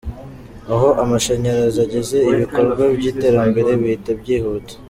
Aho amashanyarazi ageze ibikorwa by'iterambere bihita byihuta.